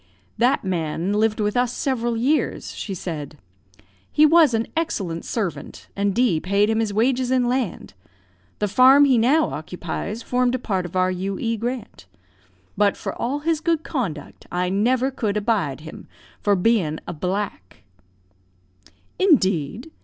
"That man lived with us several years," she said; "he was an excellent servant, and D paid him his wages in land. The farm he now occupies formed a part of our U.E. grant. But, for all his good conduct, I never could abide him, for being a black." "Indeed!